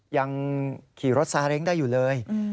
ยังขี่รถซาเล้งได้อยู่เลย